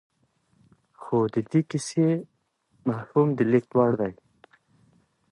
خو د دې کيسې مفهوم د لېږد وړ دی.